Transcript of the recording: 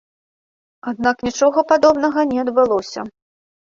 Аднак нічога падобнага не адбылося.